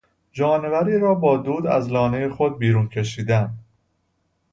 جانوری را با دود از لانهی خود بیرون کشیدن